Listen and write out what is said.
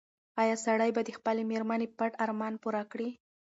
ایا سړی به د خپلې مېرمنې پټ ارمان پوره کړي؟